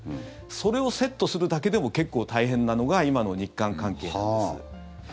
それをセットするだけでも結構大変なのが今の日韓関係なんです。